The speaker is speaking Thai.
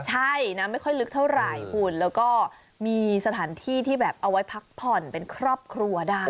ใช่นะไม่ค่อยลึกเท่าไหร่คุณแล้วก็มีสถานที่ที่แบบเอาไว้พักผ่อนเป็นครอบครัวได้